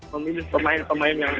memilih pemain pemain yang